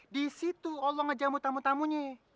di situ allah ngejamu tamu tamunya